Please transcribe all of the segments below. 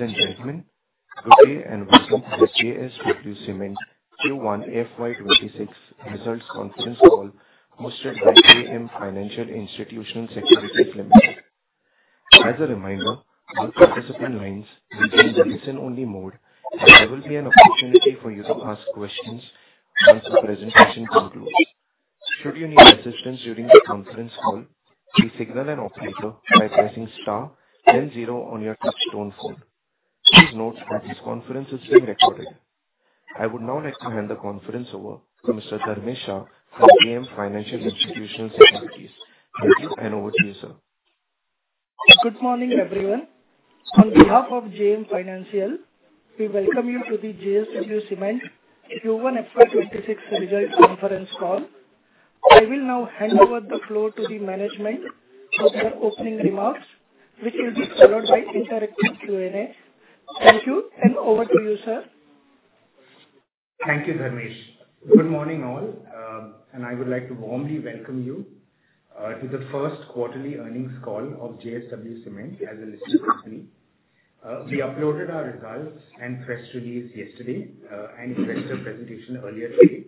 Ladies and gentlemen, good day and welcome to JSW Cement Q1 FY26 Results Conference Call, hosted by JM Financial Institutional Securities Limited. As a reminder, all participant lines will be in listen-only mode, and there will be an opportunity for you to ask questions once the presentation concludes. Should you need assistance during the conference call, please signal an operator by pressing star, then zero on your touch-tone phone. Please note that this conference is being recorded. I would now like to hand the conference over to Mr. Dharmesh Shah from JM Financial Institutional Securities. Thank you, and over to you, sir. Good morning, everyone. On behalf of JM Financial, we welcome you to the JSW Cement Q1 FY26 Results Conference Call. I will now hand over the floor to the management for their opening remarks, which will be followed by interactive Q&A. Thank you, and over to you, sir. Thank you, Dharmesh. Good morning, all. And I would like to warmly welcome you to the first quarterly earnings call of JSW Cement as a listed company. We uploaded our results and press release yesterday and addressed the presentation earlier today.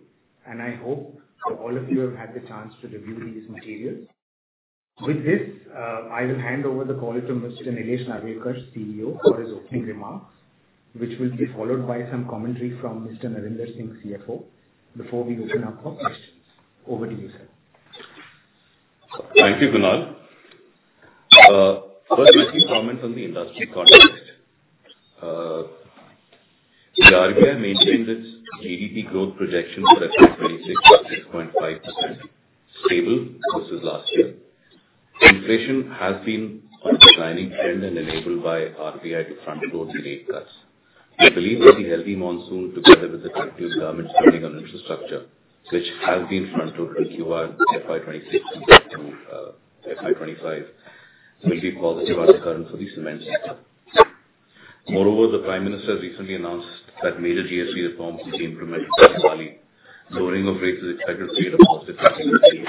And I hope all of you have had the chance to review these materials. With this, I will hand over the call to Mr. Nilesh Narwekar, CEO, for his opening remarks, which will be followed by some commentary from Mr. Narinder Singh, CFO, before we open up for questions. Over to you, sir. Thank you, Kunal. First, a few comments on the industry context. The RBI maintained its GDP growth projection for FY26 at 6.5%, stable versus last year. Inflation has been on a declining trend and enabled by RBI to front-load the rate cuts. We believe that the healthy monsoon, together with the central government's spending on infrastructure, which has been front-loaded in Q1 FY26 compared to FY25, will be positive on demand for the cement sector. Moreover, the Prime Minister has recently announced that major GST reforms will be implemented in April, lowering of rates is expected to create a positive economic change.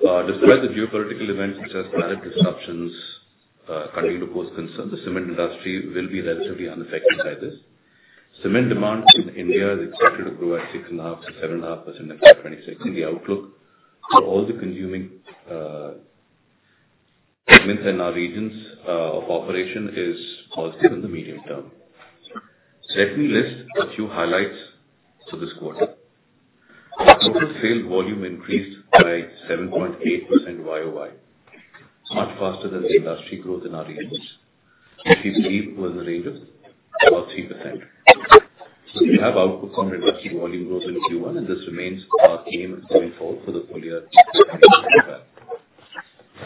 Despite the geopolitical events, such as climate disruptions, continuing to pose concerns, the cement industry will be relatively unaffected by this. Cement demand in India is expected to grow at 6.5%-7.5% in FY26. The outlook for all the consuming segments in our regions of operation is positive in the medium term. Let me list a few highlights for this quarter. The total sale volume increased by 7.8% YoY, much faster than the industry growth in our regions. We believe it was in the range of about 3%. We have outputs from the industry volume growth in Q1, and this remains our key moving forward for the full year and the next quarter.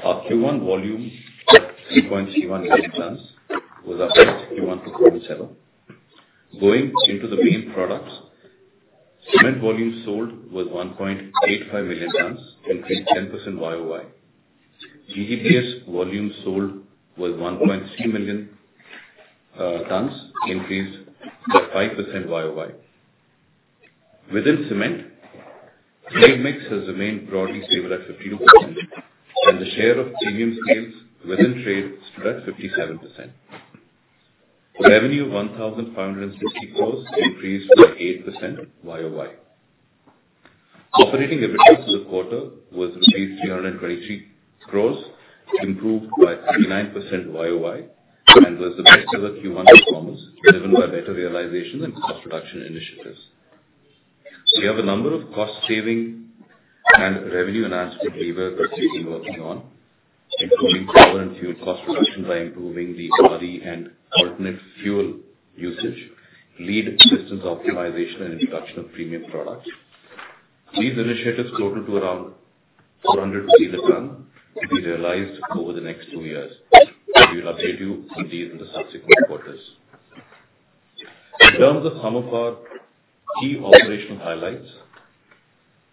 Our Q1 volume at 3.31 million tons was up to Q1 performance level. Going into the main products, cement volume sold was 1.85 million tons, increased 10% YoY. GGBS volume sold was 1.3 million tons, increased by 5% YoY. Within cement, trade mix has remained broadly stable at 52%, and the share of premium sales within trade stood at 57%. Revenue of 1,560 crore increased by 8% YoY. Operating EBITDA for the quarter was rupees 323 crore, improved by 39% YoY, and was the best-ever Q1 performance, driven by better realization and cost-reduction initiatives. We have a number of cost-saving and revenue enhancement levers that we've been working on, including carbon and fuel cost reduction by improving the RE and alternate fuel usage, lead distance optimization, and introduction of premium products. These initiatives total to around 400 rupees/ton to be realized over the next two years. We will update you on these in the subsequent quarters. In terms of some of our key operational highlights,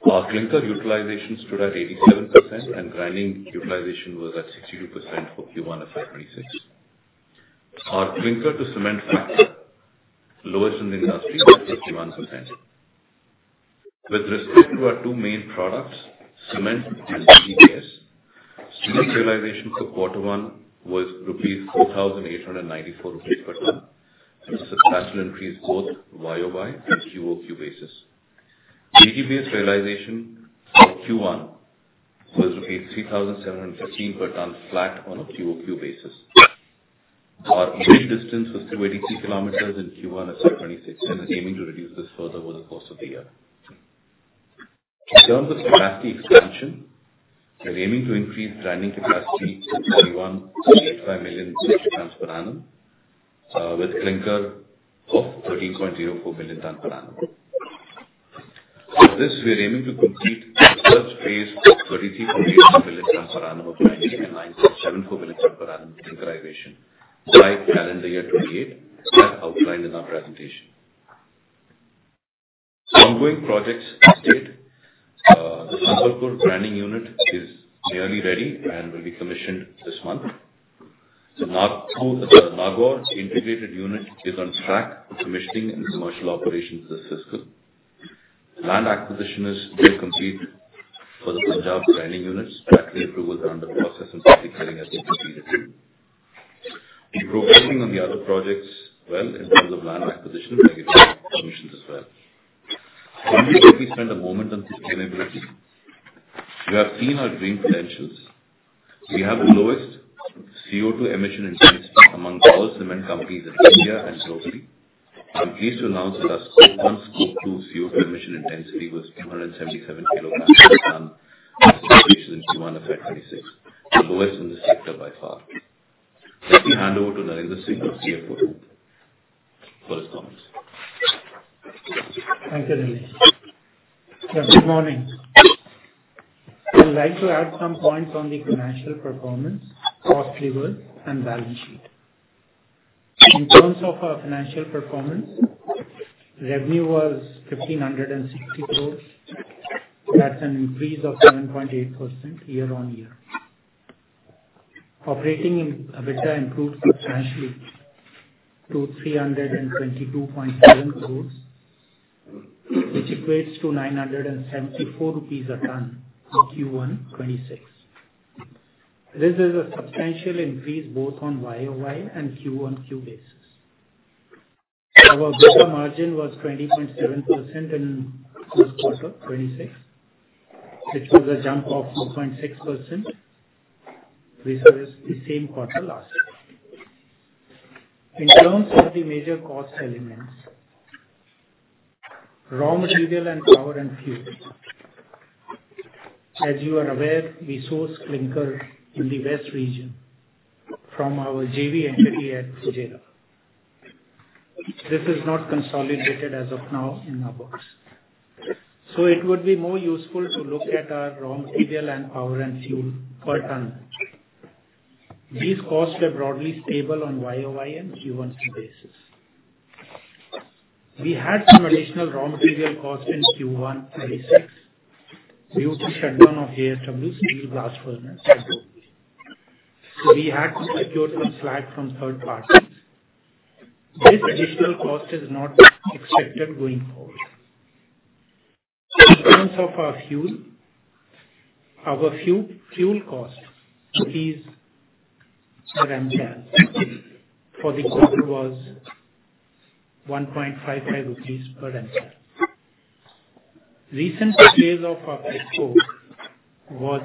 our clinker utilization stood at 87%, and grinding utilization was at 62% for Q1 FY26. Our clinker-to-cement factor lowest in the industry is at 51%. With respect to our two main products, cement and GGBS, cement realization for quarter one was 4,894 rupees per ton, a substantial increase both YoY and QoQ basis. GGBS realization for Q1 was rupees 3,715/ton, flat on a QoQ basis. Our main distance was 283 km in Q1 FY26, and we're aiming to reduce this further over the course of the year. In terms of capacity expansion, we're aiming to increase grinding capacity to 41.85 million metric tons per annum, with clinker of 13.04 million tons per annum. With this, we're aiming to complete the first phase of 33.85 million tons per annum of grinding and 9.74 million tons per annum clinkerization by calendar year 2028, as outlined in our presentation. Ongoing projects state the Sambalpur grinding unit is nearly ready and will be commissioned this month. The Nagaur integrated unit is on track for commissioning and commercial operations this fiscal. Land acquisition is near complete for the Punjab grinding units. Factory approvals are under process, and public hearing has been completed. We're progressing on the other projects well in terms of land acquisition, and we're getting permissions as well. Let me quickly spend a moment on sustainability. We have seen our green credentials. We have the lowest CO2 emission intensity among all cement companies in India and globally. I'm pleased to announce that our Scope 1, Scope 2 CO2 emission intensity was 277 kg/ton as compared to Q1 FY26, the lowest in this sector by far. Let me hand over to Narinder Singh, CFO, for his comments. Thank you, Nilesh. Good morning. I'd like to add some points on the financial performance, cost levers, and balance sheet. In terms of our financial performance, revenue was 1,560 crore. That's an increase of 7.8% year-on-year. Operating EBITDA improved substantially to 322.7 crore, which equates to 974 rupees/ton in Q1 2026. This is a substantial increase both on YoY and Q-on-Q basis. Our EBITDA margin was 20.7% in the first quarter 2026, which was a jump of 4.6%. This was the same quarter last year. In terms of the major cost elements, raw material and power and fuel. As you are aware, we source clinker in the West region from our JV entity at Fujairah. This is not consolidated as of now in our books. So it would be more useful to look at our raw material and power and fuel per ton. These costs were broadly stable on YoY and Q-on-Q basis. We had some additional raw material cost in Q1 2026 due to shutdown of JSW Steel blast furnace at Dolvi. We had to secure some slag from third parties. This additional cost is not expected going forward. In terms of our fuel, our fuel cost, which is per Mcal, for the quarter was INR 1.55 per Mcal. Recent sales of petcoke was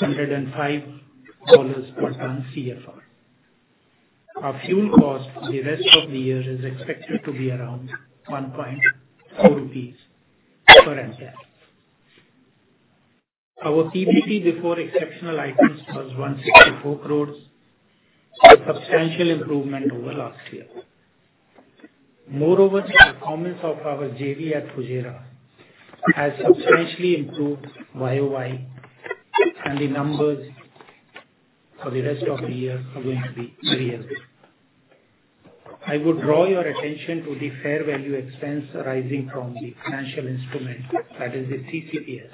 $105 per ton CFR. Our fuel cost for the rest of the year is expected to be around 1.4 rupees per Mcal. Our PBT before exceptional items was 164 crore, a substantial improvement over last year. Moreover, the performance of our JV at Fujairah has substantially improved YoY, and the numbers for the rest of the year are going to be very elevated. I would draw your attention to the fair value expense arising from the financial instrument that is the CCPS,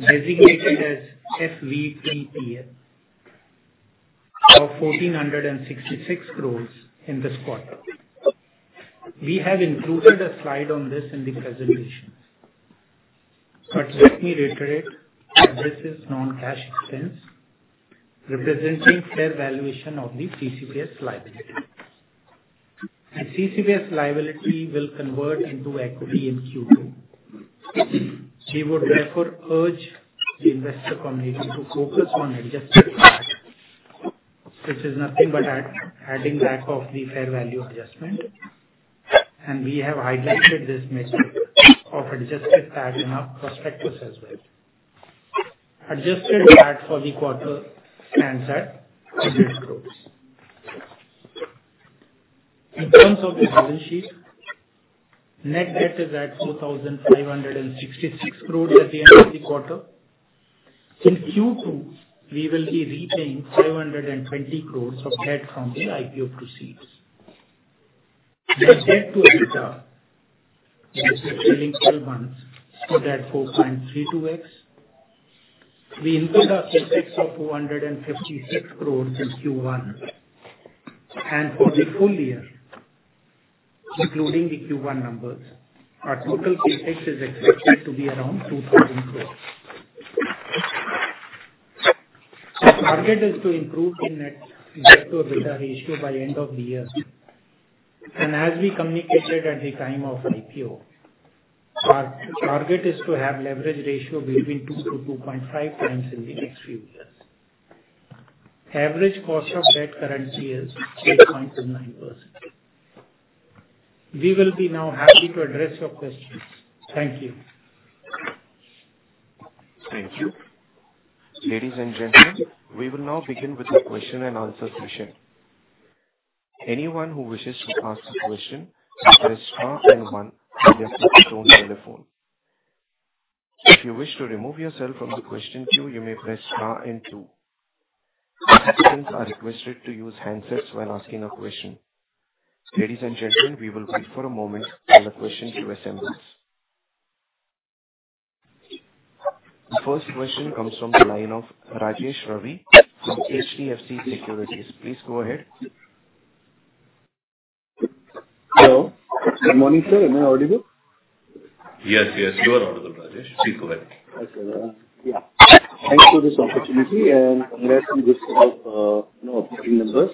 designated as FVTPL, of 1,466 crore in this quarter. We have included a slide on this in the presentation, but let me reiterate that this is non-cash expense representing fair valuation of the CCPS liability. The CCPS liability will convert into equity in Q2. We would therefore urge the investor community to focus on adjusted PAT, which is nothing but adding back of the fair value adjustment, and we have highlighted this metric of adjusted PAT in our prospectus as well. Adjusted PAT for the quarter stands at INR 100 crore. In terms of the balance sheet, net debt is at 4,566 crore at the end of the quarter. In Q2, we will be repaying 520 crore of debt from the IPO proceeds. Net debt to EBITDA in the trailing 12 months stood at 4.32x. We incurred a CapEx of 456 crore in Q1, and for the full year, including the Q1 numbers, our total CapEx is expected to be around 2,000 crore. The target is to improve the net debt-to-EBITDA ratio by end of the year, and as we communicated at the time of IPO, our target is to have leverage ratio between 2x-2.5x times in the next few years. Average cost of debt currently is 8.29%. We will now be happy to address your questions. Thank you. Thank you. Ladies and gentlemen, we will now begin with the question and answer session. Anyone who wishes to ask a question may press star and one on their phone or telephone. If you wish to remove yourself from the question queue, you may press star and two. Participants are requested to use handsets while asking a question. Ladies and gentlemen, we will wait for a moment while the question queue assembles. The first question comes from the line of Rajesh Ravi from HDFC Securities. Please go ahead. Hello. Good morning, sir. Am I audible? Yes, yes. You are audible, Rajesh. Please go ahead. Okay. Yeah. Thanks for this opportunity, and congrats on this group of key members.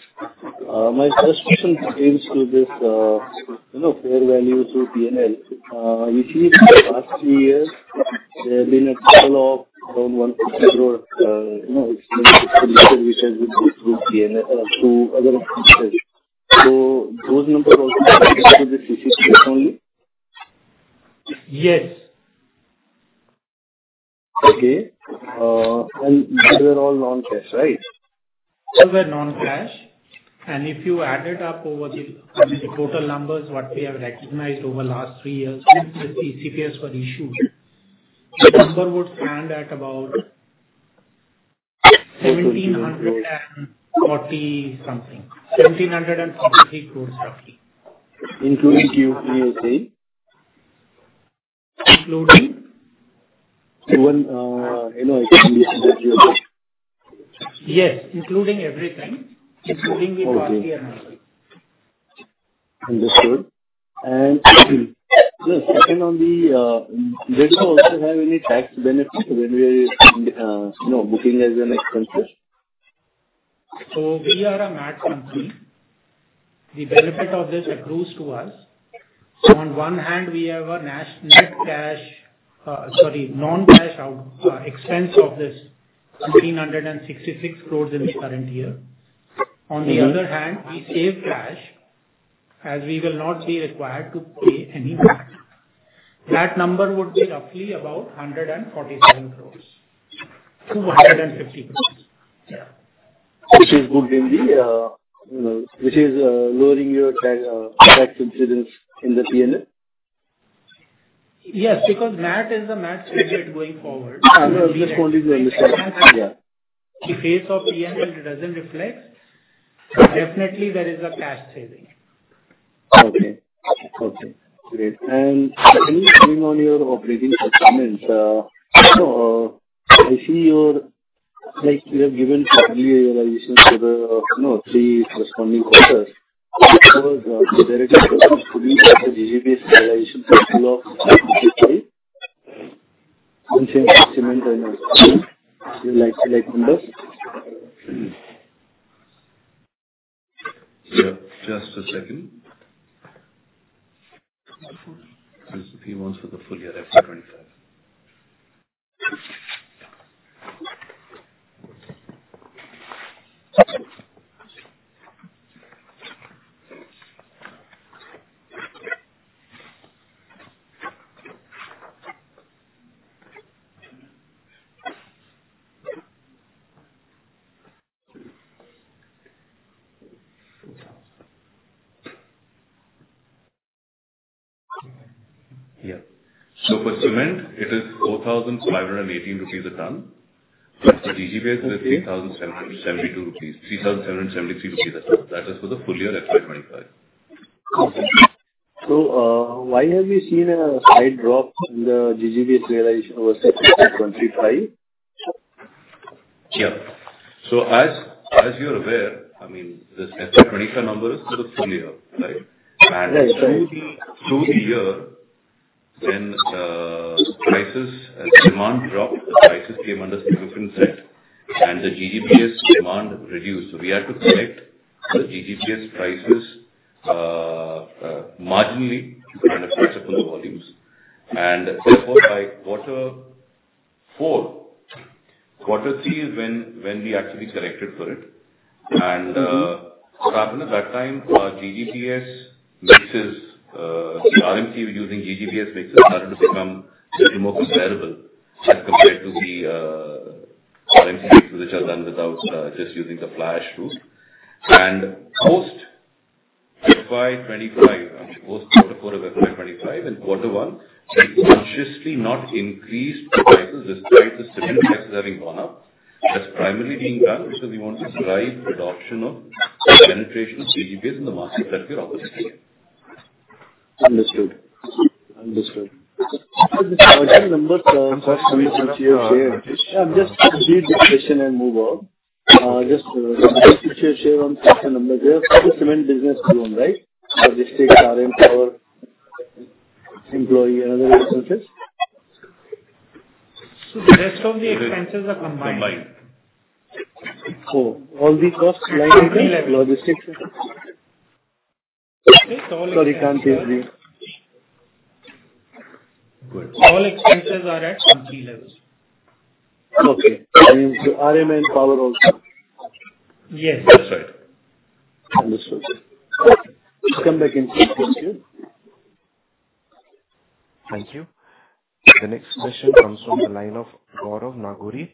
My first question pertains to this fair value through P&L. You see, in the past three years, there have been a couple of around 140 crore expenditures which have been through P&L to other entities. So those numbers also relate to the CCPS only? Yes. Okay. These were all non-cash, right? Those were non-cash. And if you added up over the total numbers, what we have recognized over the last three years since the CCPS was issued, the number would stand at about 1,740 crore-something, 1,743 crore roughly. Including Q1, you say? Including? Q1, I think? Yes. Including everything, including the Q1 P&L. Understood. And second on the debt, do you also have any tax benefits when we are booking as an expense? We are a MAT company. The benefit of this accrues to us. On one hand, we have a net cash, sorry, non-cash expense of this [1,466 crore] in the current year. On the other hand, we save cash as we will not be required to pay any MAT. That number would be roughly about 147 crore-150 crore. Which is lowering your tax incidence in the P&L? Yes, because MAT is a MAT Credit going forward. I was just wanting to understand. Yeah. The face of P&L doesn't reflect. Definitely, there is a cash saving. Okay. Okay. Great. And can you explain on your operating performance? I see you have given earlier realizations for the three corresponding quarters. Was there any purpose to do the GGBS realization for the full of Q3? Same for cement and oil. Would you like to like numbers? Here, just a second. Just a few months for the full year FY25. Yeah. So for cement, it is INR 4,518/ton. For GGBS, it is 8,772 rupees, INR 3,773/ton. That is for the full year FY25. So why have you seen a slight drop in the GGBS realization over FY25? Yeah. So as you are aware, I mean, this FY25 number is for the full year, right? And through the year, when prices and demand dropped, the prices came under significant stress and the GGBS demand reduced. So we had to cut the GGBS prices marginally to kind of catch up on the volumes. And therefore, quarter four, quarter three is when we actually corrected for it. And what happened at that time, GGBS mixes for the RMC using GGBS mixes started to become more comparable as compared to the RMC mixes which are done without just using the fly-ash route. And post-FY25, post quarter four of FY25 and quarter one, we have consciously not increased the prices despite the cement prices having gone up. That's primarily being done because we want to drive adoption and penetration of GGBS in the market that we are operating in. Understood. Understood. The, I'm just to complete this question and move on. Just the future share on the future numbers here. Full cement business alone, right? Logistics, RM power, employee, and other resources? So the rest of the expenses are combined. Combined. Oh. All the costs line items? Logistics? All expenses. Sorry, can't hear you. All expenses are at entry level. Okay. I mean, RM and power also? Yes. That's right. Understood. I'll come back into the queue. Thank you. The next question comes from the line of Gaurav Nagori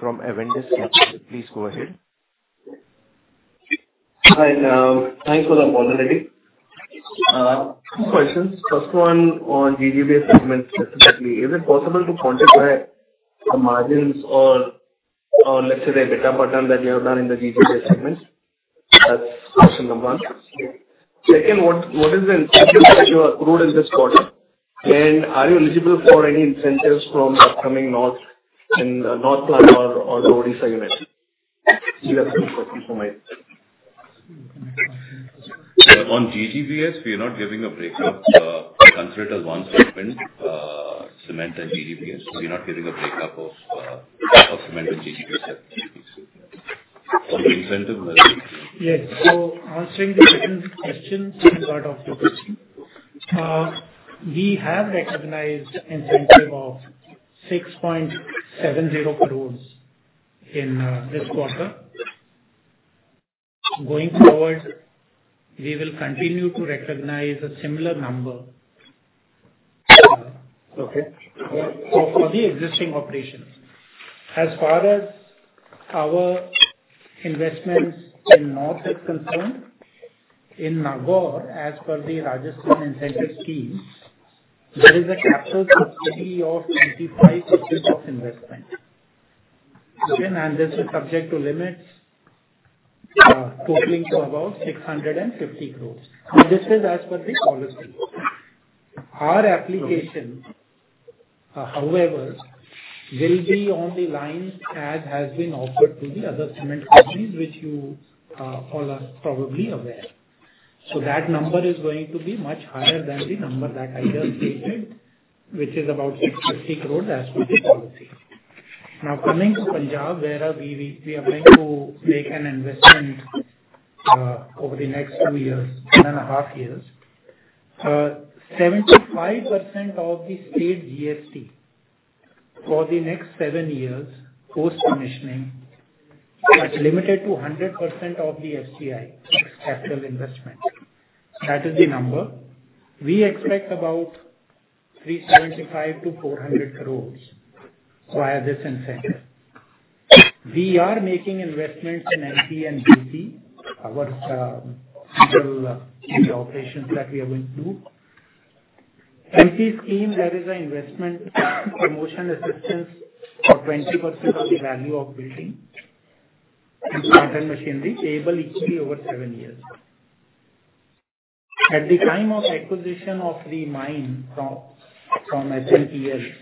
from Avendus Capital. Please go ahead. Hi. Thanks for the opportunity. Two questions. First one on GGBS segment specifically. Is it possible to quantify the margins or, let's say, the EBITDA pattern that you have done in the GGBS segment? That's question number one. Second, what is the incentive that you accrued in this quarter? And are you eligible for any incentives from the upcoming North plant or Odisha unit? These are the two questions for me. On GGBS, we are not giving a breakup. Consider it as one segment, cement and GGBS. We are not giving a breakup of cement and GGBS. So on the incentive, Narinder? Yes. So answering the second question, second part of the question, we have recognized incentive of 6.70 crore in this quarter. Going forward, we will continue to recognize a similar number. Okay. For the existing operations. As far as our investments in North is concerned, in Nagaur, as per the Rajasthan incentive scheme, there is a capital subsidy of 25% of investment. And this is subject to limits totaling to about 650 crore. Now, this is as per the policy. Our application, however, will be on the line as has been offered to the other cement companies, which you all are probably aware. So that number is going to be much higher than the number that I just stated, which is about 650 crore as per the policy. Now, coming to Punjab, where we are going to make an investment over the next two years, one and a half years, 75% of the state GST for the next seven years post-commissioning is limited to 100% of the FCI, fixed capital investment. That is the number. We expect about 375 crore-400 crore via this incentive. We are making investments in MP and UP, our central operations that we are going to do. MP scheme, there is an investment promotion assistance for 20% of the value of building and plant and machinery payable equally over seven years. At the time of acquisition of the mine from SMPL,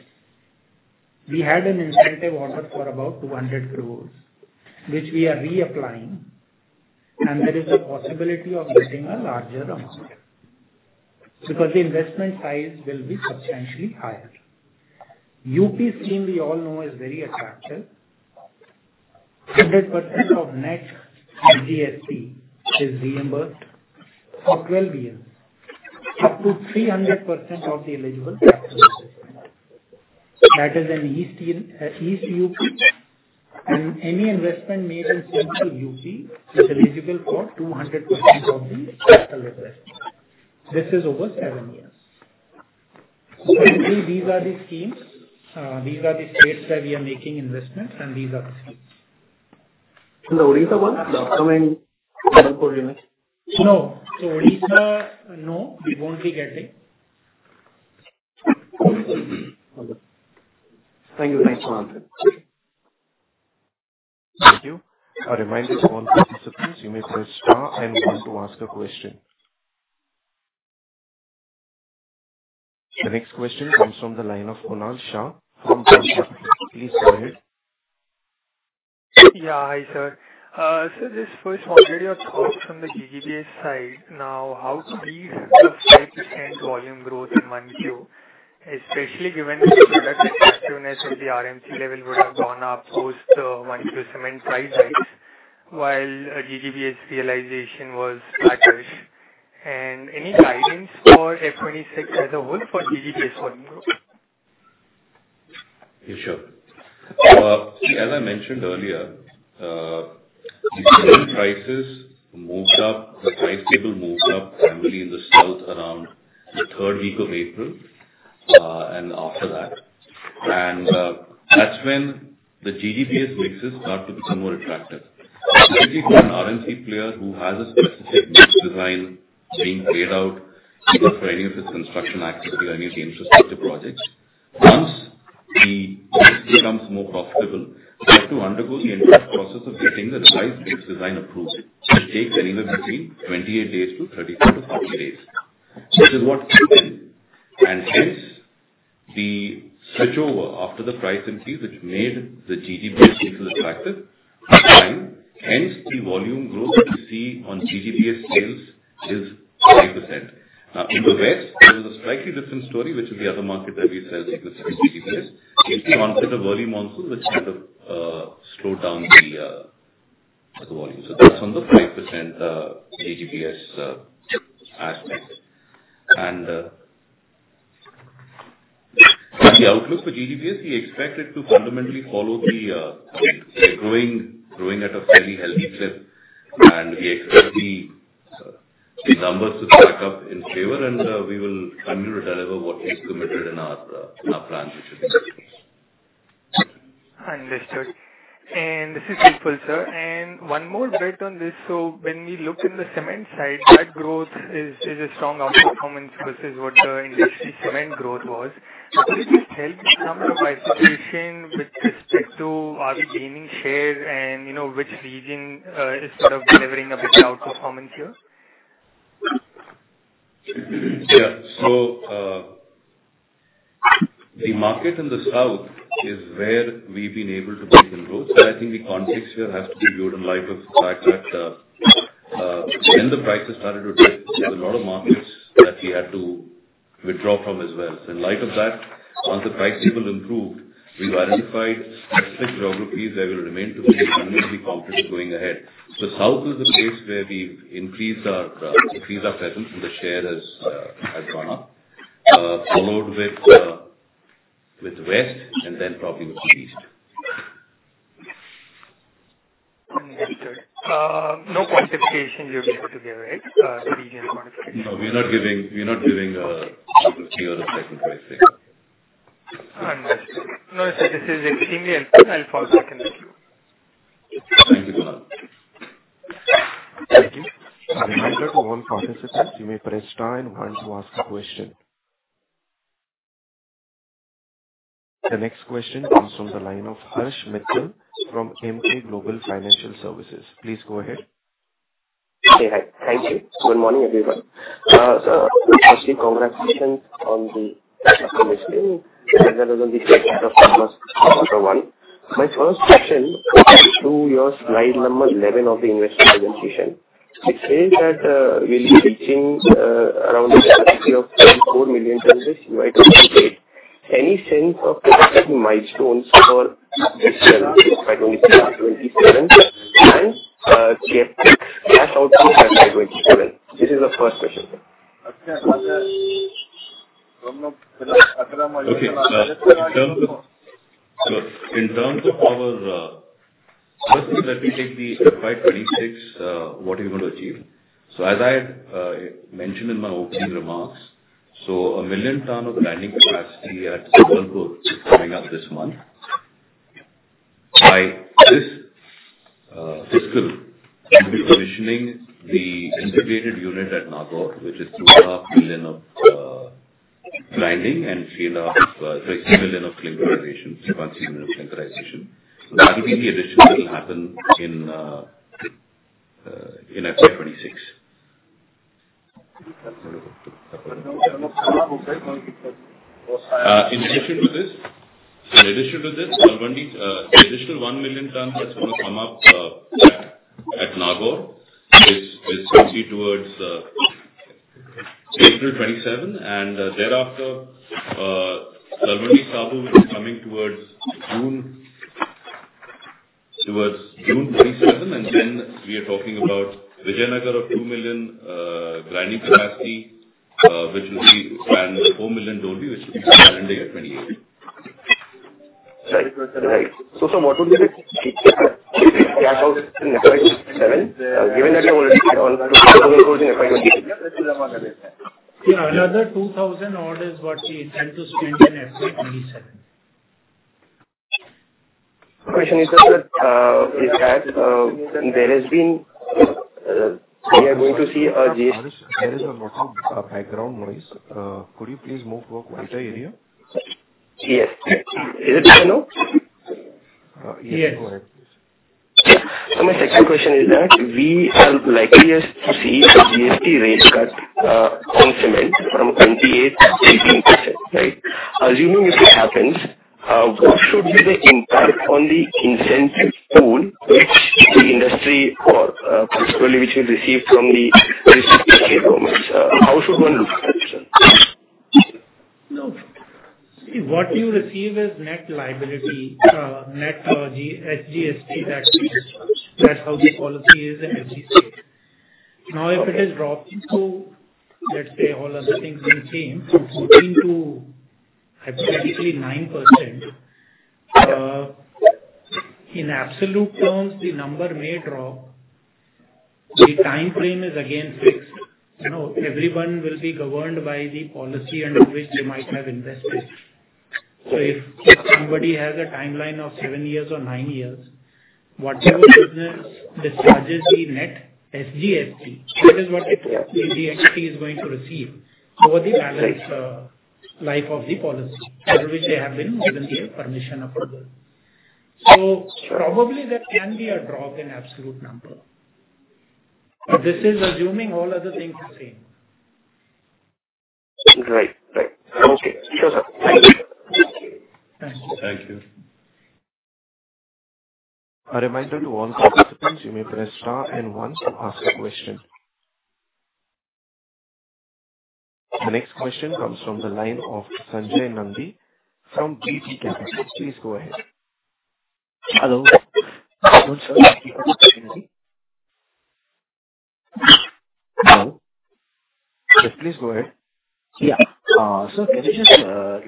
we had an incentive offered for about 200 crore, which we are reapplying, and there is a possibility of getting a larger amount because the investment size will be substantially higher. UP scheme, we all know, is very attractive. 100% of net SGST is reimbursed for 12 years, up to 300% of the eligible capital investment. That is in East UP, and any investment made in Central UP is eligible for 200% of the capital investment. This is over seven years. Currently, these are the schemes. These are the states where we are making investments, and these are the schemes. In the Odisha one, the upcoming Sambalpur unit? No. So, Odisha, no. We won't be getting. Thank you. Thanks for answering. Thank you. A reminder to all participants, you may press star and one to ask a question. The next question comes from the line of Kunal Shah from DAM Capital. Please go ahead. Yeah. Hi, sir. So, just first, moderate your talk from the GGBS side. Now, how could we have a 5% volume growth in 1Q, especially given the productive activeness of the RMC level would have gone up post 1Q cement price hikes while GGBS realization was flat-ish? And any guidance for FY26 as a whole for GGBS volume growth? Yeah, sure. As I mentioned earlier, the cement prices moved up, the price levels moved up primarily in the South around the third week of April and after that, and that's when the GGBS mixes start to become more attractive. Basically, for an RMC player who has a specific mix design being played out for any of his construction activity or any of the infrastructure projects, once the mix becomes more profitable, they have to undergo the entire process of getting the revised mix design approved, which takes anywhere between 28 days to 34-40 days, which is what came in. And hence, the switchover after the price increase, which made the GGBS mix attractive, hence the volume growth we see on GGBS sales is 5%. Now, in the West, there was a slightly different story, which is the other market that we sell GGBS. It's the onset of early monsoon, which kind of slowed down the volume. So that's on the 5% GGBS aspect. And the outlook for GGBS, we expect it to fundamentally follow the growing at a fairly healthy clip. And we expect the numbers to stack up in favor and we will continue to deliver what we've committed in our plans, which is. Understood. And this is helpful, sir. And one more bit on this. So when we looked in the cement side, that growth is a strong outperformance versus what the industry cement growth was. Could you just help me some of the participation with respect to are we gaining share and which region is sort of delivering a bigger outperformance here? Yeah. So the market in the South is where we've been able to build in growth. So I think the context here has to be viewed in light of the fact that when the prices started to dip, there's a lot of markets that we had to withdraw from as well. So in light of that, once the prices stabilized, we've identified specific geographies that will remain to be fundamentally competitive going ahead. The South is the place where we've increased our presence and the share has gone up, followed with the West and then probably with the East. Understood. No quantification you're giving today, right? The region quantification. No. We're not giving a particular key or a segment price break-up. Understood. No, sir, this is extremely helpful. I'll follow up in a few. Thank you, Kunal. Thank you. A reminder to all participants, you may press star and one to ask a question. The next question comes from the line of Harsh Mittal from Emkay Global Financial Services. Please go ahead. Hey, hi. Thank you. Good morning, everyone. Sir, firstly, congratulations on the commissioning as well as on the success of quarter one. My first question is to your slide number 11 of the investor presentation. It says that we'll be reaching around the capacity of 34 million tons in CY 2028. Any sense of capacity milestones for this year, 2027, and CapEx cash outflow by 2027? This is the first question. Sure. In terms of our first, let me take the FY26, what are we going to achieve? As I had mentioned in my opening remarks, a million tons of grinding capacity at Sambalpur is coming up this month. By this fiscal, we'll be commissioning the integrated unit at Nagaur, which is 2.5 million of grinding and 3.5 million of clinkerization. That will be the addition that will happen in FY26. In addition to this, Talwandi, the additional one million ton that's going to come up at Nagaur is going to be towards April 2027. Thereafter, Talwandi Sabo is coming towards June 2027. Then we are talking about Vijayanagar of 2 million grinding capacity, which will be, and 4 million Dolvi, which will be calendar year 2028. Right. So sir, what would be the cash output in FY27, given that we have already added on INR 2,000 crore in FY26? Yeah. Another 2,000 odd is what we intend to spend in FY27. Question is that, sir, is that there has been we are going to see a. Harish, there is a lot of background noise. Could you please move to a quieter area? Yes. Is it okay now? Yes. Go ahead, please. Yeah. So my second question is that we are likely to see a GST rate cut on cement from 28% to 18%, right? Assuming if it happens, what should be the impact on the incentive pool which the industry or particularly which we receive from the state government? How should one look at this, sir? No. See, what you receive is net liability, net SGST tax ratio. That's how the policy is in every state. Now, if it is dropped to, let's say, all other things in the same, from 15% to hypothetically 9%, in absolute terms, the number may drop. The time frame is again fixed. Everyone will be governed by the policy under which they might have invested. So if somebody has a timeline of seven years or nine years, whatever business discharges the net SGST, that is what the GST is going to receive over the balance life of the policy, for which they have been given the permission up to there. So probably there can be a drop in absolute number. But this is assuming all other things are same. Right. Right. Okay. Sure, sir. Thank you. Thank you. Thank you. A reminder to all participants, you may press star and one to ask a question. The next question comes from the line of Sanjay Nandi from VT Capital. Please go ahead. Hello. Hello, sir. Can you hear me? Hello? Yes, please go ahead. Yeah. So can you just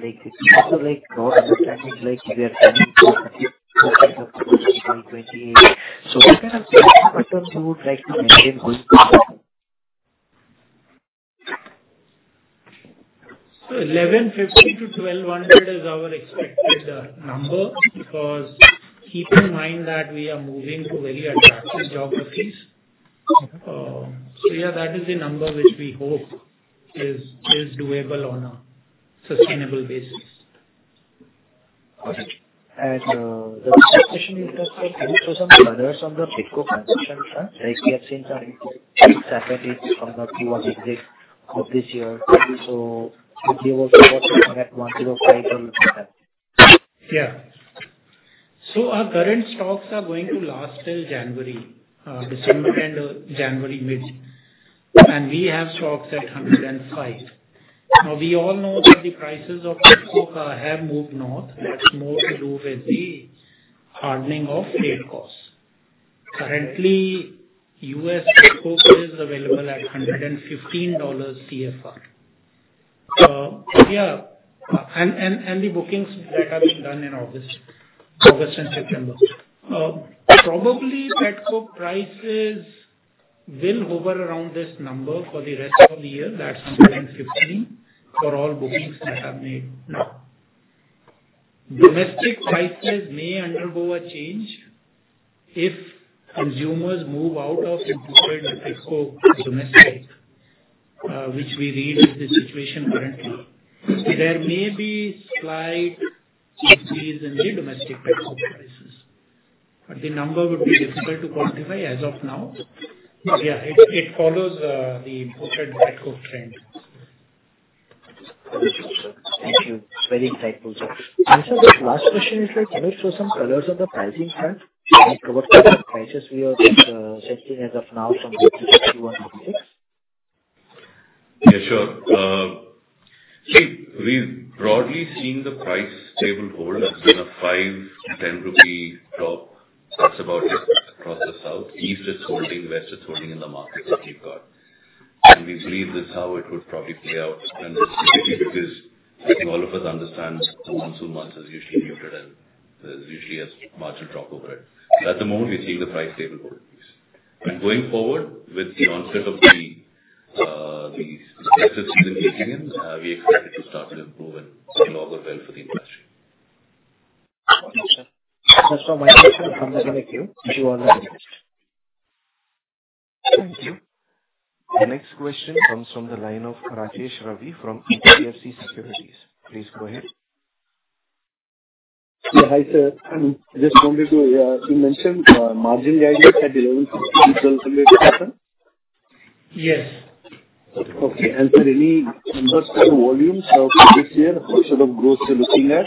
like so not understanding like we are telling you to continue to 2028. So what kind of incentive pattern you would like to maintain going forward? So 1,150-1,200 is our expected number because keep in mind that we are moving to very attractive geographies, so yeah, that is the number which we hope is doable on a sustainable basis. Okay. And the next question is that, sir, can you show some numbers on the petcoke transaction? Like we have seen some savings from the Q1 exit of this year. So would you also want to look at $105 or? Yeah. So our current stocks are going to last till January, December and January mid. And we have stocks at $105. Now, we all know that the prices of petcoke have moved North. What's more to do with the hardening of freight costs. Currently, U.S. petcoke is available at $115 CFR. Yeah. And the bookings that have been done in August and September, probably that book prices will hover around this number for the rest of the year. That's $115 for all bookings that are made now. Domestic prices may undergo a change if consumers move out of petcoke domestic, which we read is the situation currently. There may be slight increase in the domestic petcoke prices, but the number would be difficult to quantify as of now. But yeah, it follows the imported petcoke trend. Thank you. Very insightful, sir, and sir, my last question is like, could you show some colors on the pricing front? What kind of prices we are setting as of now from for Q1 2026? Yeah, sure. See, we've broadly seen the price stable hold in an 5-10 rupee drop. That's about it across the South. East is holding, West is holding in the market that we've got, and we believe this is how it would probably play out, and specifically, because all of us understand monsoon months is usually muted and there's usually a marginal drop over it, so at the moment, we're seeing the price stable hold. Going forward with the onset of the festive season kicking in, we expect it to start to improve and log a well for the industry. Thank you, sir. That's all my question, I'll come back in the queue. Wish you all the best. The next question comes from the line of Rajesh Ravi from HDFC Securities. Please go ahead. Yeah. Hi, sir. Just wanted to, yeah, you mentioned margin guidance at 1,150-1,200 per ton? Yes. Okay. And sir, any numbers for the volumes for this year? What sort of growth you're looking at?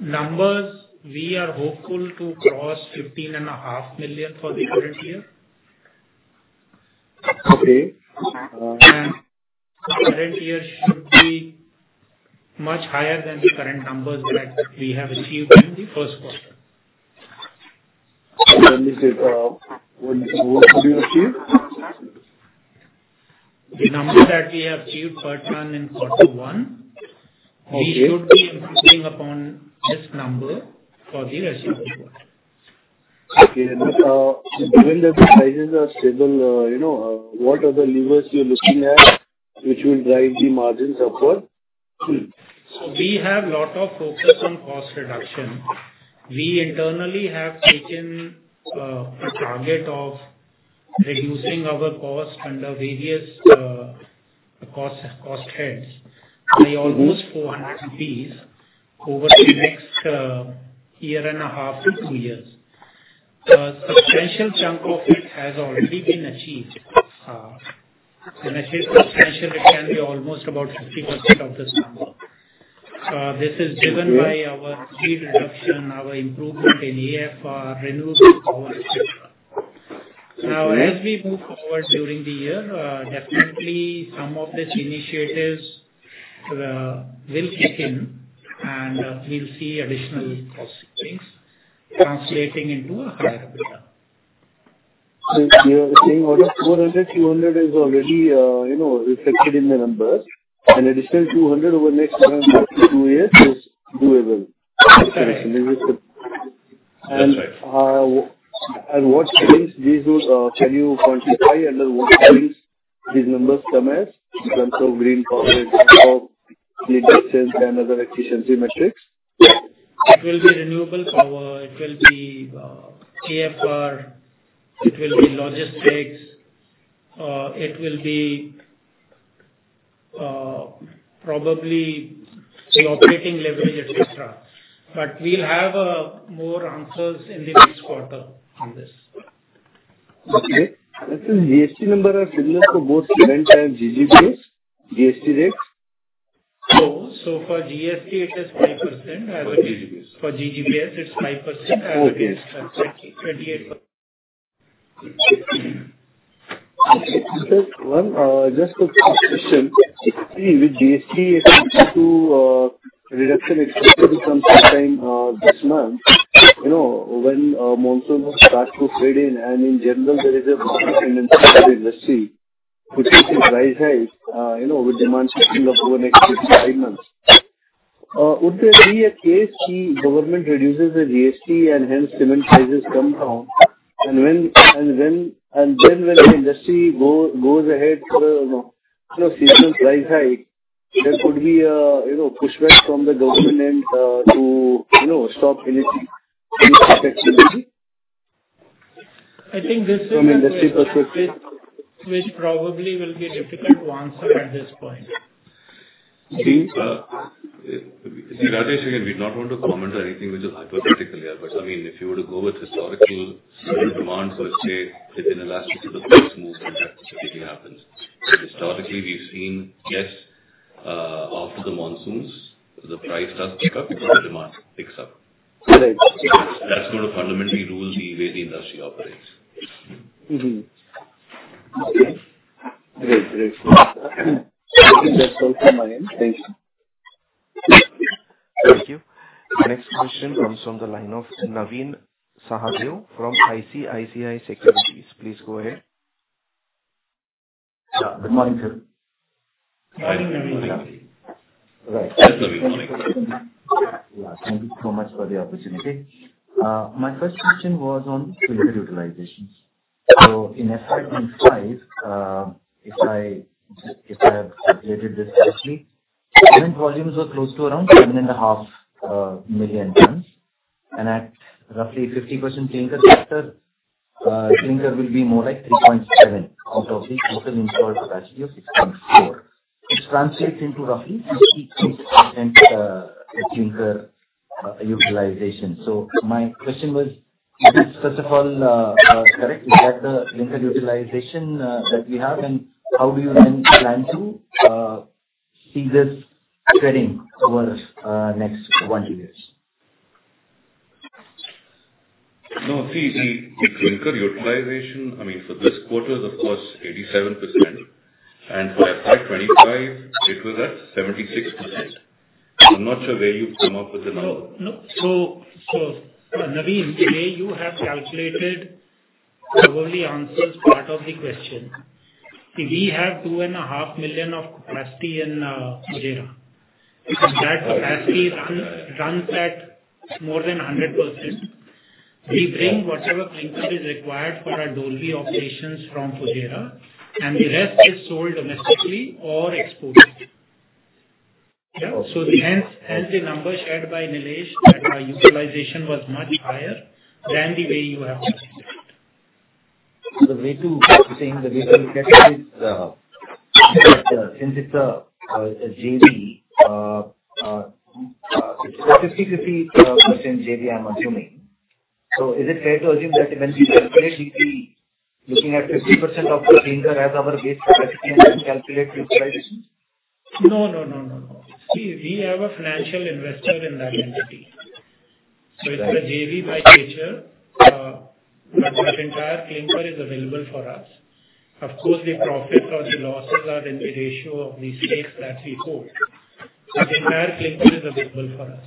Numbers, we are hopeful to cross 15.5 million for the current year. Okay. And the current year should be much higher than the current numbers that we have achieved in the first quarter. This is what you achieved? The number that we have achieved per ton in quarter one, we should be improving upon this number for the rest of the quarter. Okay. And given that the prices are stable, what other levers you're looking at which will drive the margins upward? We have a lot of focus on cost reduction. We internally have taken a target of reducing our cost under various cost heads, by almost 400 rupees over the next year and a half to two years. A substantial chunk of it has already been achieved. When I say substantial, it can be almost about 50% of this number. This is driven by our speed reduction, our improvement in AFR, renewable power, etc. Now, as we move forward during the year, definitely some of these initiatives will kick in and we'll see additional cost savings translating into a higher EBITDA. You are saying out of 400, 200 is already reflected in the numbers. An additional 200 over the next one to two years is doable. That's right. What savings can you quantify under what savings these numbers come as in terms of green power and other efficiency metrics? It will be renewable power. It will be AFR. It will be logistics. It will be probably the operating leverage, etc. But we'll have more answers in the next quarter on this. Okay. And sir, GST numbers are similar for both cement and GGBS, GST rates? No. So, for GST, it is 28%. For GGBS For GGBS, it's 5%. GST 28%. Sir, just a quick question. With GST, if we do reduction expected to come sometime this month, when monsoon will start to fade in, and in general, there is a price tendency for the industry, which is rise high with demand cycle of over the next three to five months, would there be a case the government reduces the GST and hence cement prices come down, and then when the industry goes ahead to season rise high, there could be a pushback from the government end to stop anything, any such activity? I think this is a very difficult question, which probably will be difficult to answer at this point. See, Rajesh, again, we'd not want to comment on anything which is hypothetical here. But I mean, if you were to go with historical demand per se, let's say within the last six months, it's moved and that specifically happens. Historically, we've seen less after the monsoons. The price does pick up because the demand picks up. Right. That's going to fundamentally rule the way the industry operates. Okay. Great. Great. Thank you. That's all from my end. Thank you. Thank you. The next question comes from the line of Navin Sahadeo from ICICI Securities. Please go ahead. Good morning, sir. Good morning, Navin. Yeah. Thank you so much for the opportunity. My first question was on clinker utilization so in FY25, if I have calculated this correctly, cement volumes were close to around 7.5 million tons and at roughly 50% clinker sector, clinker will be more like 3.7 out of the total installed capacity of 6.4, which translates into roughly 58% clinker utilization. My question was, is this first of all correct? Is that the clinker utilization that we have? And how do you then plan to see this spreading over the next one to two years? No. See, the clinker utilization, I mean, for this quarter is, of course, 87%. And for FY25, it was at 76%. I'm not sure where you've come up with the number. No. No. So Naveen, today you have calculated probably answered part of the question. See, we have 2.5 million of capacity in Fujairah. And that capacity runs at more than 100%. We bring whatever clinker is required for our Dolvi operations from Fujairah, and the rest is sold domestically or exported. Yeah. So hence, hence the numbers shared by Nilesh that our utilization was much higher than the way you have calculated it. So the way to look at it is that since it's a JV, it's a 50%-50% JV, I'm assuming. So is it fair to assume that when we calculate JV, looking at 50% of the clinker as our base capacity and then calculate utilization? No, no, no, no, no. See, we have a financial investor in that entity. So it's a JV by nature, but that entire clinker is available for us. Of course, the profits or the losses are in the ratio of the stakes that we hold. But the entire clinker is available for us.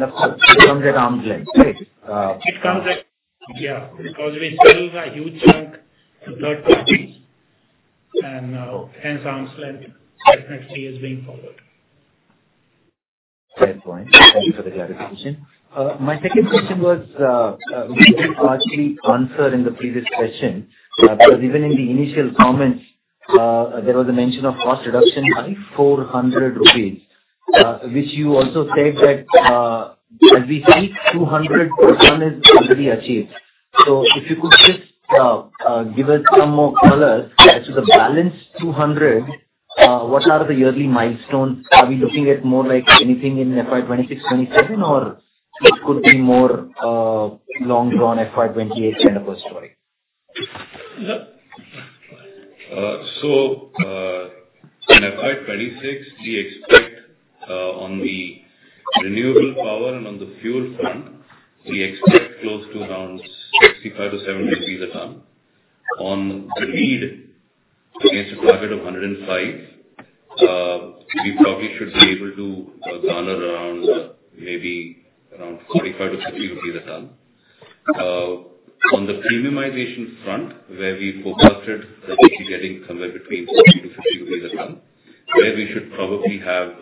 Of course, it comes at arm's length, right? It comes at, yeah, because we sell a huge chunk to third parties, and hence, arm's length definitely is being followed. Fair point. Thanks for the clarification. My second question was, we didn't actually answer in the previous question because even in the initial comments, there was a mention of cost reduction by 400 rupees, which you also said that as we speak, 200/ton is already achieved. So if you could just give us some more color as to the balance 200, what are the yearly milestones? Are we looking at more like anything in FY26, FY27, or it could be more long-drawn FY28 kind of a story? So in FY26, we expect on the renewable power and on the fuel front, we expect close to around 65-70 rupees/ton. On the lead, against a target of 105, we probably should be able to garner around maybe around 45-50 rupees/ton. On the premiumization front, where we forecasted that we'll be getting somewhere between 40-50 rupees/ton, where we should probably have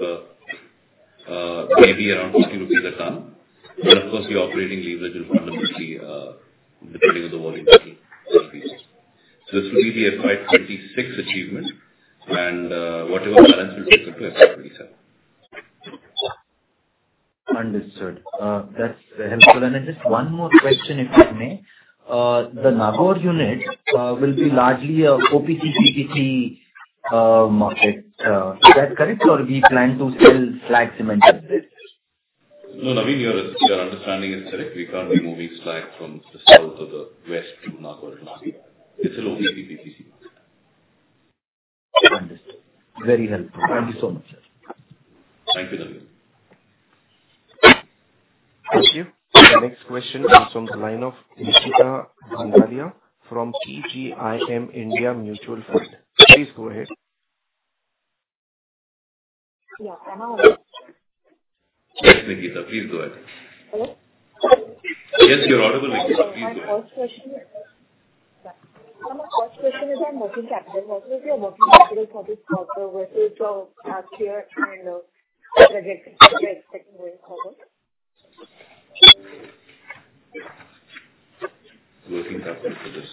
maybe around 50 rupees/ton. And of course, the operating leverage will fundamentally, depending on the volume, be increased. So this will be the FY26 achievement, and whatever balance will take us to FY27. Understood. That's helpful. And then just one more question, if I may. The Nagaur unit will be largely an OPC-PPC market. Is that correct? Or do we plan to sell slag cement at this? No, Navin, your understanding is correct. We can't be moving slag from the South or the West to Nagaur. It's an OPC-PPC. Understood. Very helpful. Thank you so much, sir. Thank you, Navin. Thank you. The next question comes from the line of Nikita Gondalia from PGIM India Mutual Fund. Please go ahead. Yeah. I'm on the line, sir? Yes, Nikita, please go ahead. Yes, you're audible, Nikita. Please go ahead. I have a question. Someone asked, what the question is on working capital? What will be the working capital for this quarter, whether it's CapEx or a project? What are the expectations going forward? Working capital for this.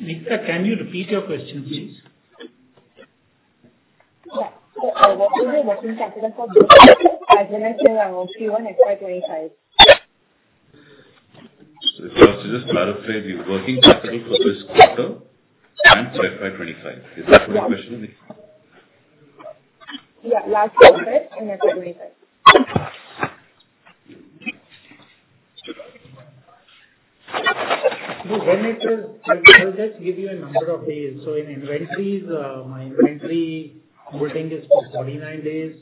Nikita, can you repeat your question, please? Yeah. What will be the working capital for this quarter? And Q1 FY25? So the first is just clarifying the working capital for this quarter and for FY25. Is that what the question is? Yeah. Last quarter and FY25. When it was, I'll just give you a number of days. So in inventories, my inventory holding is for 49 days.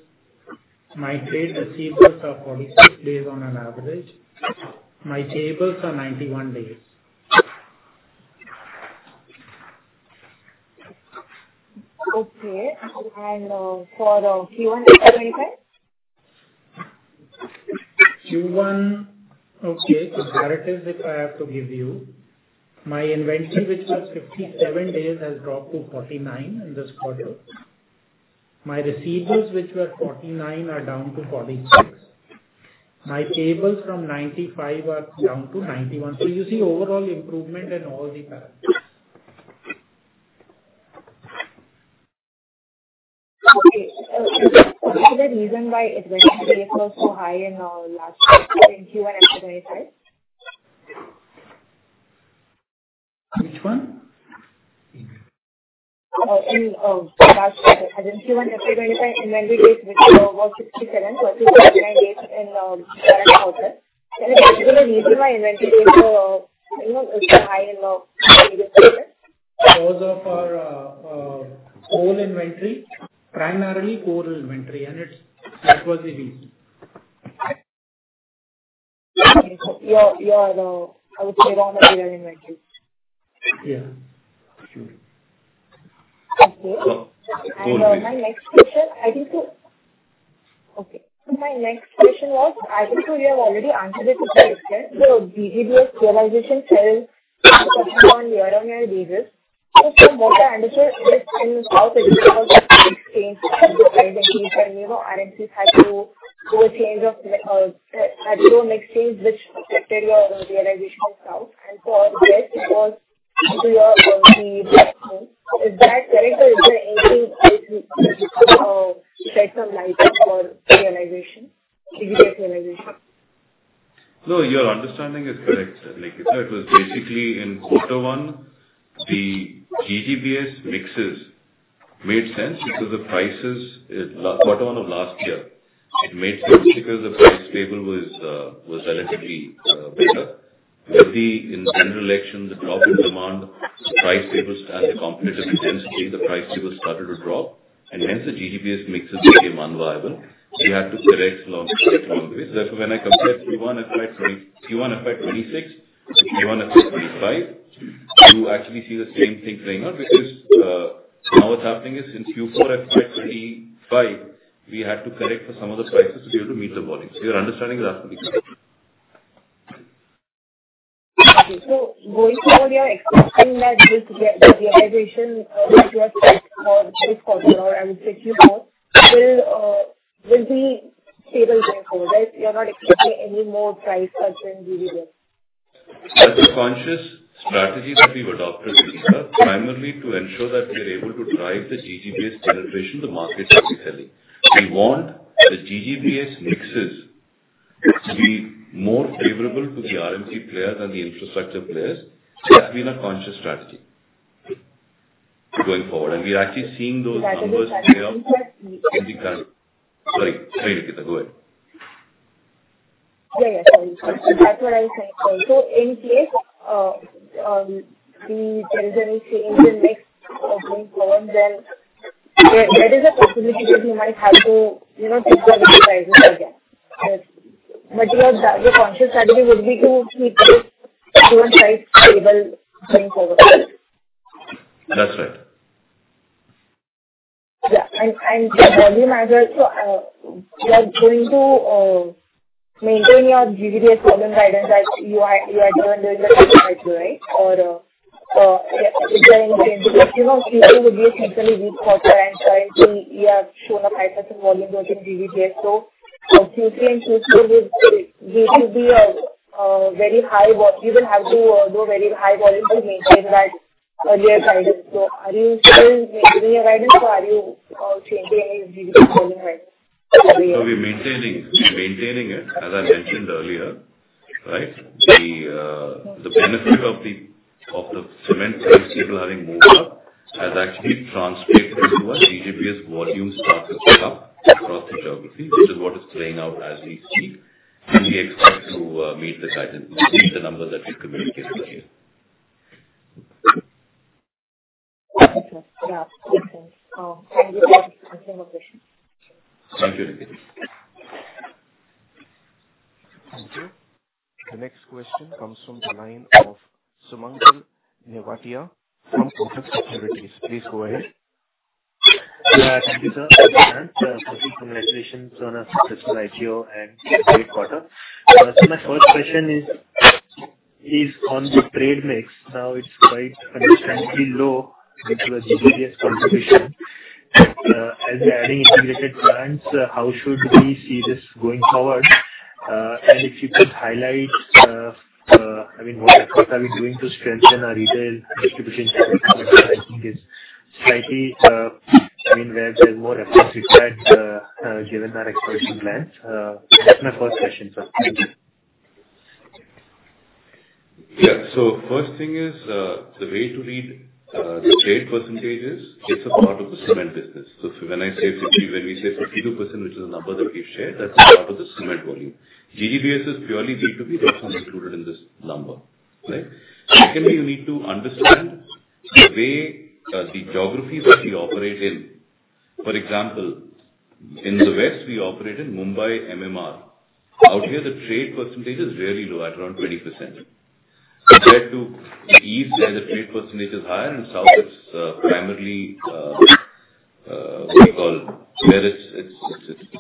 My trade receivables are 46 days on an average. My payables are 91 days. Okay, and for Q1 FY25? Q1, okay, comparatively, if I have to give you. My inventory, which was 57 days, has dropped to 49 in this quarter. My receivables, which were 49, are down to 46. My payables from 95 are down to 91. So you see overall improvement in all the parameters. Okay. Is there a reason why inventory was so high in last quarter in Q1 FY25? Which one? In last quarter, as in Q1 FY25, inventory was 67 versus 49 days in the current quarter. Can you tell me the reason why inventory is so high in the previous quarter? Because of our whole inventory, primarily coal inventory, and that was the reason. Okay, so you're, I would say, raw material inventory? Yeah. Okay. And my next question was, I think you have already answered it in the question. So GGBS realization fell on year-on-year basis. So from what I understood, this in the South, it is because of the exchange of the identities. And RMCs had to do a change of an exchange, which affected your realization in South. And for the West, it was due to your entry. Is that correct? Or is there anything else you shed some light on for realization, GGBS realization? No, your understanding is correct, Nikita. It was basically in Q1, the GGBS mixes made sense because the prices in quarter one of last year, it made sense because the price table was relatively better. With the internal election, the drop in demand, the price tables, and the competitive intensity, the price tables started to drop. And hence, the GGBS mixes became unviable. We had to correct along the way. Therefore, when I compared Q1 FY26 to Q1 FY25, you actually see the same thing playing out because now what's happening is in Q4 FY25, we had to correct for some of the prices to be able to meet the volume. So your understanding is absolutely correct. Okay, so going forward, you're expecting that this realization that you have said for this quarter or I would say Q4 will be stable going forward, right? You're not expecting any more price cuts in GGBS? That's a conscious strategy that we've adopted, Nikita, primarily to ensure that we're able to drive the GGBS penetration to markets we're headed. We want the GGBS mixes to be more favorable to the RMC players and the infrastructure players. That's been a conscious strategy going forward. And we're actually seeing those numbers play out in the current. That's what I said. Sorry. Sorry, Nikita. Go ahead. Yeah, yeah. Sorry. That's what I said. So in case there is any change in next going forward, then there is a possibility that we might have to take the prices again. But your conscious strategy would be to keep this Q1 price stable going forward, right? That's right. Yeah. And volume as well. So you're going to maintain your GGBS volume guidance as you are given during the quarter cycle, right? Or is there any change? Because Q3 would be a seasonally weak quarter, and currently, we have shown a 5% volume growth in GGBS. So Q3 and Q4 will be a very high volume. We will have to do a very high volume to maintain that earlier guidance. So are you still maintaining your guidance? Or are you changing any GGBS volume guidance? We're maintaining it, as I mentioned earlier, right? The benefit of the cement price table having moved up has actually translated into our GGBS volume starting to pick up across the geography, which is what is playing out as we speak. We expect to meet the guidance, the numbers that we've communicated here. Okay. Yeah. Makes sense. Thank you for answering my question. Thank you, Nikita. The next question comes from the line of Sumangal Nevatia from Kotak Securities. Please go ahead. Yeah. Thank you, sir. And thank you for the congratulations on a successful IPO and great quarter. So my first question is, on the trade mix, now it's quite understandably low due to the GGBS contribution. As we're adding integrated plants, how should we see this going forward? And if you could highlight, I mean, what are we doing to strengthen our retail distribution capability, which I think is slightly, I mean, where there's more efforts required given our expansion plans. That's my first question, sir. Thank you. Yeah. First thing is the way to read the trade percentages is a part of the cement business. So when I say 50, when we say 52%, which is a number that we've shared, that's a part of the cement volume. GGBS is purely B2B. That's not included in this number, right? Secondly, you need to understand the geographies that we operate in. For example, in the West, we operate in Mumbai MMR. Out here, the trade percentage is really low, at around 20%. Compared to the East, where the trade percentage is higher, and South, it's primarily, what we call, where it's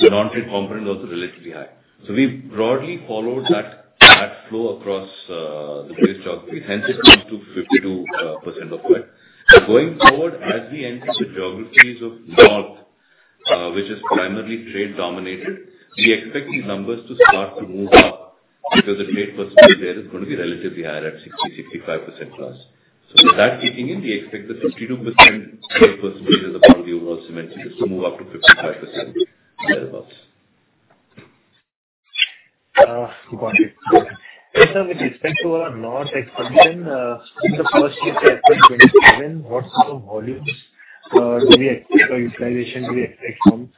non-trade component also relatively high. We broadly followed that flow across the various geographies. Hence, it comes to 52% of what. Going forward, as we enter the geographies of North, which is primarily trade dominated, we expect these numbers to start to move up because the trade percentage there is going to be relatively higher, at 60%-65%+. So with that kicking in, we expect the 52% trade percentage of the overall cement business to move up to 55%, thereabouts. Good point. Also, with respect to our North expansion, in the first year, say, I think FY 2027, what sort of volumes do we expect or utilization do we expect from?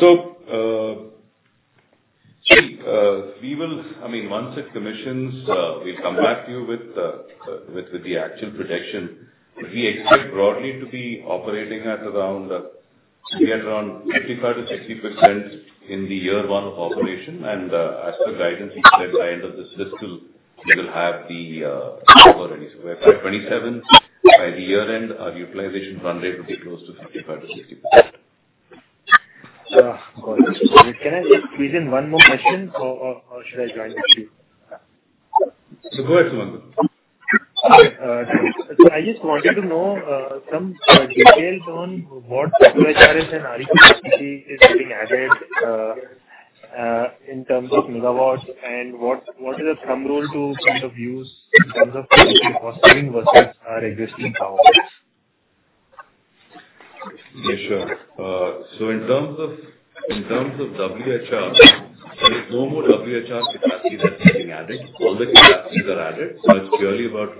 So I mean, once it commissions, we'll come back to you with the actual projection. We expect broadly to be operating at around 55%-60% in year one of operation. And as per guidance, we said by the end of this fiscal, we will have the. By 2027, by the year end, our utilization run rate will be close to 55%-60%. I'm going to stop here. Can I squeeze in one more question, or should I join with you? So, go ahead, Sumangal. Okay. So I just wanted to know some details on what WHRS and RE capacity is getting added in terms of megawatts, and what is a thumb rule to kind of use in terms of cost saving versus our existing power plants? Yeah, sure. So in terms of WHR, there is no more WHR capacity that's getting added. All the capacities are added. So it's purely about,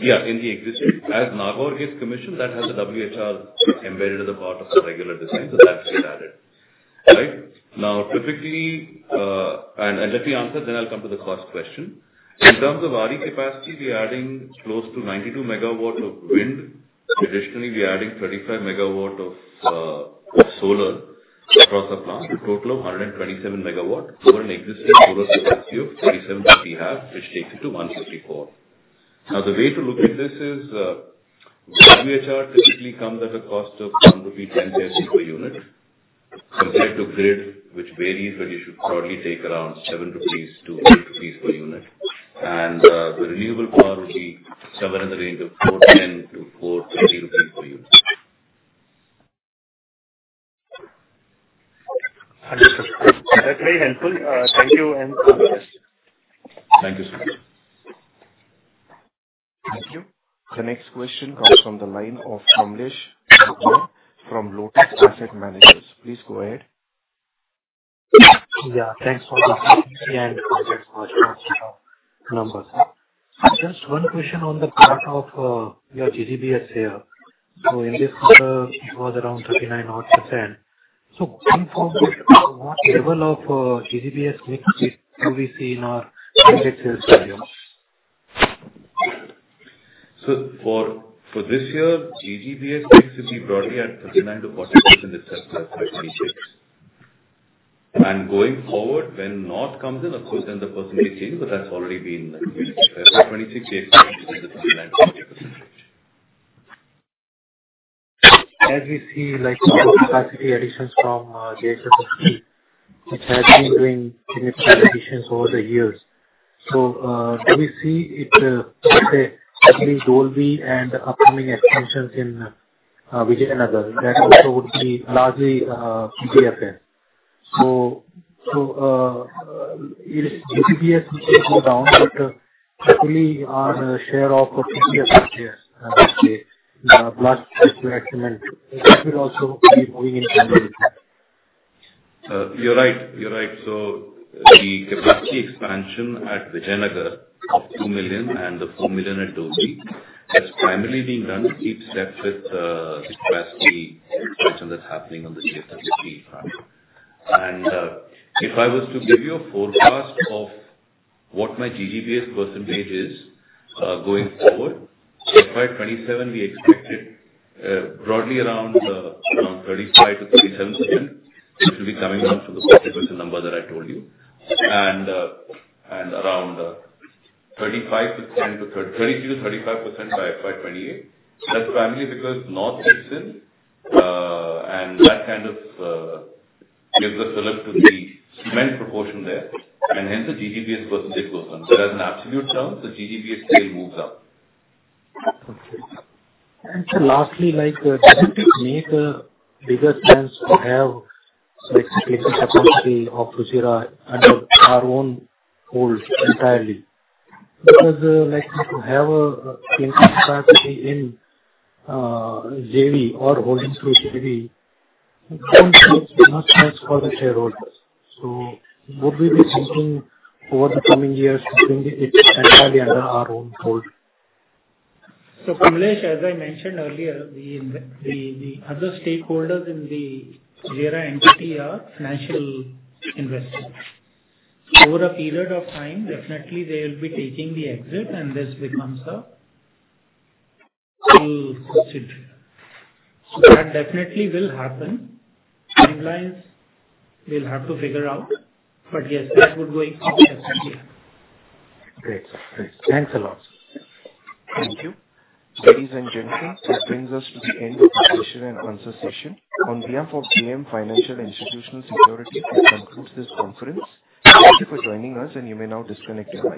yeah, in the existing as Nagaur gets commissioned, that has the WHR embedded as a part of the regular design. So that's been added, right? Now, typically, and let me answer, then I'll come to the first question. In terms of RE capacity, we're adding close to 92 MW of wind. Additionally, we're adding 35 MW of solar across the plant, a total of 127 MW for an existing solar capacity of 27 MW we have, which takes it to 154 MW. Now, the way to look at this is WHR typically comes at a cost of 1.10 rupee per unit compared to grid, which varies, but you should probably take around 7-8 rupees per unit. The renewable power would be somewhere in the range of 4.10-4.20 rupees per unit. Understood. That's very helpful. Thank you and all the best. Thank you so much. Thank you. The next question comes from the line of Kamlesh Bagmar from Lotus Asset Managers. Please go ahead. Yeah. Thanks for the question and for the numbers. Just one question on the part of your GGBS here. So in this quarter, it was around 39 odd percent. So going forward, what level of GGBS mix do we see in our index sales volume? So for this year, GGBS mix would be broadly at 39%-40% itself, FY26. And going forward, when North comes in, of course, then the percentage changes, but that's already been the case. If we have FY26, we expect it to be 39%-40% range. As we see capacity additions from JSW Steel, which has been doing significant additions over the years, so do we see it, let's say, at Dolvi and upcoming expansions in Vijayanagar, that also would be largely PBFS? So is GGBS going to go down, but hopefully our share of PBFS, say, blast furnace slag cement, it will also be moving in the same way? You're right. You're right. So the capacity expansion at Vijayanagar of 2 million and the 4 million at Dolvi is primarily being done to keep step with the capacity expansion that's happening on the JSW Steel front. And if I was to give you a forecast of what my GGBS percentage is going forward, FY27, we expect it broadly around 35%-37%, which will be coming down to the 40% number that I told you, and around 35% to, 30%-35% by FY28. That's primarily because North is in, and that kind of gives us a look to the cement proportion there. And hence, the GGBS percentage goes down. So as an absolute term, the GGBS scale moves up. Okay. Lastly, does it make a bigger sense to have clinker capacity of Fujairah under our own hold entirely? Because to have a clinker capacity in JV or holding through JV, it doesn't make much sense for the shareholders. So would we be thinking over the coming years to bring it entirely under our own hold? So Kamlesh, as I mentioned earlier, the other stakeholders in the Fujairah entity are financial investors. Over a period of time, definitely, they will be taking the exit, and this becomes a full subsidiary. So that definitely will happen. Timelines, we'll have to figure out. But yes, that would go into the subsidiary. Great. Great. Thanks a lot. Thank you. Ladies and gentlemen, this brings us to the end of the question and answer session. On behalf of JM Financial Institutional Securities, we conclude this conference. Thank you for joining us, and you may now disconnect if you like.